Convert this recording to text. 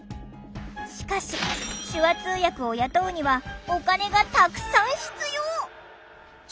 しかし手話通訳を雇うにはお金がたくさん必要。